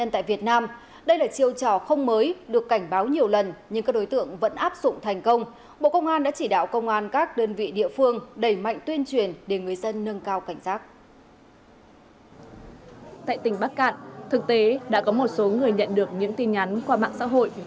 tại tỉnh bắc cạn thực tế đã có một số người nhận được những tin nhắn qua mạng xã hội